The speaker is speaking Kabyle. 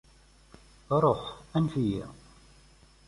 Ruḥ, anef-iyi.